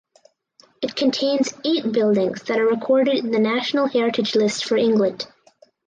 It contains eight buildings that are recorded in the National Heritage List for England.